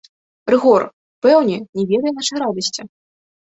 Рыгор, пэўне, не ведае нашае радасці?